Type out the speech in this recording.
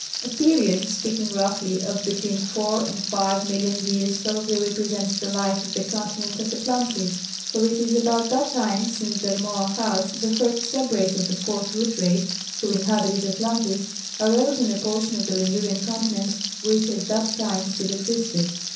] A period speaking roughly of between four and five million years probably represents the life of the continent of Atlantis, for it is about that time since the Rmoahals, the first sub race of the Fourth Root Race who inhabited Atlantis, arose on a portion of the Lemurian Continent which at that time still existed.